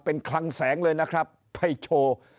เป็นคลังแสงเลยนะครับให้โชว์